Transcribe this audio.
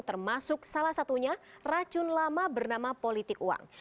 termasuk salah satunya racun lama bernama politik uang